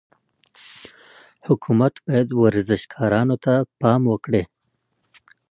حکومت باید ورزشکارانو ته پام وکړي.